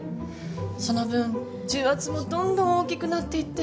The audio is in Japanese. その分重圧もどんどん大きくなっていって。